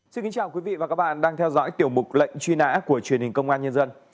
xin kính chào quý vị và các bạn đang theo dõi tiểu mục lệnh truy nã của truyền hình công an nhân dân